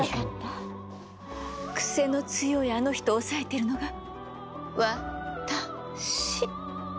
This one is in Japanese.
クセの強いあの人を抑えているのがわ・た・し。